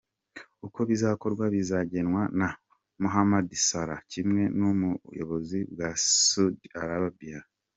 Uko bizakorwa bizagenwa na Mohamed Salah kimwe n’ubuyobozi bwa Saudi Arabia.